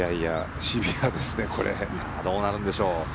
どうなるんでしょう。